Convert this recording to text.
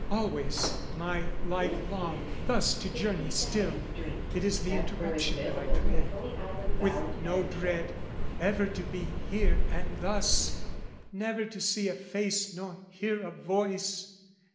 "Always, my life long, thus to journey still! "It is the interruption that I dread, "With no dread, ever to be here and thus! "Never to see a face nor hear a voice!